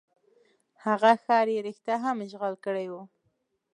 هغه ښار یې رښتیا هم اشغال کړی وو.